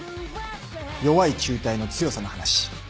「弱い紐帯の強さ」の話。